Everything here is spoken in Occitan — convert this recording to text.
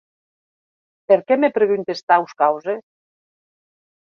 Per qué me preguntes taus causes?